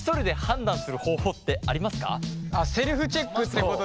セルフチェックってことだよね？